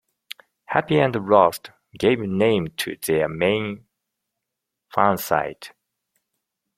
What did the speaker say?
"Happy and Lost" gave name to their main fansite.